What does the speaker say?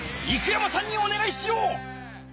生山さんにおねがいしよう！